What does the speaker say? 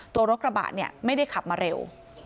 ตัวรถกระบะเนี่ยไม่ได้ขับมาเร็ว